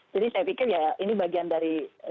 jadi saya pikir ya ini bagian dari